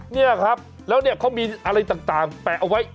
นี่ครับแล้วเนี่ยเขามีอะไรต่างแปะเอาไว้